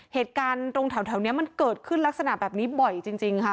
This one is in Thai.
เหตุการณ์ตรงแถวนี้มันเกิดขึ้นลักษณะแบบนี้บ่อยจริงค่ะ